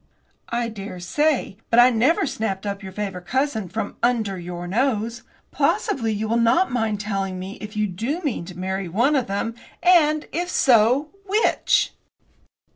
"I daresay; but I never snapped up your favourite cousin from under your nose. Possibly you will not mind telling me if you do mean to marry one of them, and, if so, which."